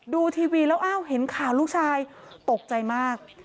ดูทีวีแล้วอ้าวเห็นข่าวลูกชายตกใจมาก